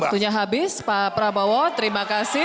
waktunya habis pak prabowo terima kasih